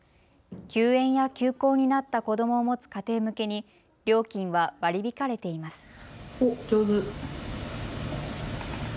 休園や休校になった子どもを持つ家庭向けに料金は割り引かれています。